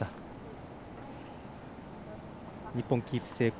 日本、キープ成功